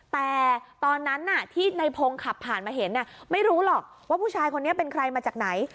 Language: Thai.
แต่ตอนนั้นที่ในพงศ์ขับผ่านมาเห็นไม่รู้หรอกว่าผู้ชายคนนี้เป็นใครมาจากไหน